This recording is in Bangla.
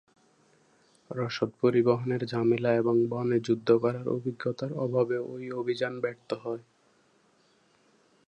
রসদ পরিবহনে ঝামেলা এবং বনে যুদ্ধ করার অভিজ্ঞতার অভাবে ঐ অভিযান ব্যর্থ হয়।